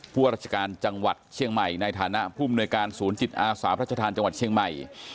ราชการจังหวัดเชียงใหม่ในฐานะภูมิหน่วยการศูนย์จิตอาสาพระชธานจังหวัดเชียงใหม่